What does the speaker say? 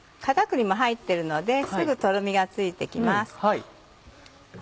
片栗も入ってるのですぐとろみがついて来ます。